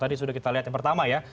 tadi sudah kita lihat yang pertama ya